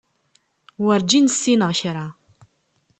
Werǧin ssineɣ kra.